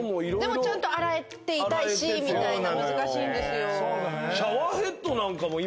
でもちゃんと洗えていたいしみたいな難しいんですよ。